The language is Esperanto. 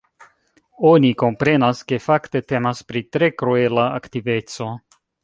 Oni komprenas, ke fakte temas pri tre kruela aktiveco.